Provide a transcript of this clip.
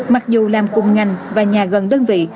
mặc dù làm cùng ngành và nhà gần đơn vị